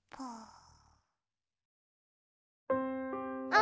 「あ！」